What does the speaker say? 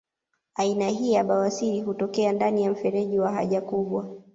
Aina hii ya bawasiri hutokea ndani ya mfereji wa haja kubwa